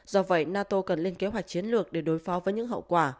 do vậy nato cần lên kế hoạch chiến lược để đối phó với những hậu quả